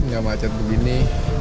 nggak macet begini